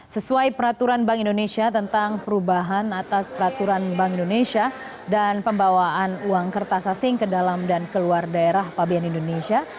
sesuai peraturan bank indonesia tentang perubahan atas peraturan bank indonesia dan pembawaan uang kertas asing ke dalam dan keluar daerah pabean indonesia